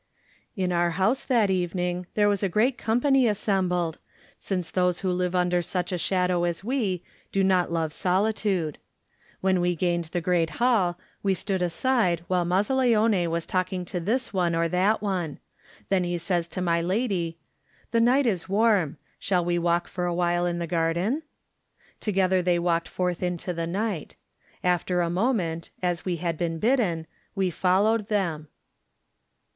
In our house that evening there was a great company assembled, since those who live under such a shadow as we do not love solitude. When we gained the great hall we stood aside while Mazzaleone was talking to this one or that one. Then says he to my lady: "The night is warm. Shall we walk for a while in the garden?" Together they walked forth into the night. After a moment, as we had been bidden, we followed them.